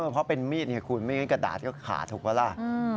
เพราะเป็นมีดไงคุณไม่งั้นกระดาษก็ขาดถูกปะล่ะ